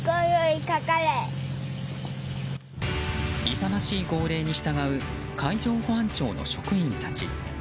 勇ましい号令に従う海上保安庁の職員たち。